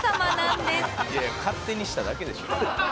「いやいや勝手にしただけでしょ」